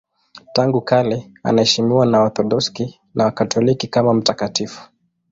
Tangu kale anaheshimiwa na Waorthodoksi na Wakatoliki kama mtakatifu.